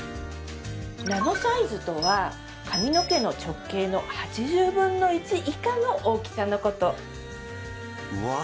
ナノサイズとは髪の毛の直径の８０分の１以下の大きさのことうわ